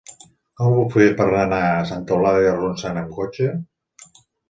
Com ho puc fer per anar a Santa Eulàlia de Ronçana amb cotxe?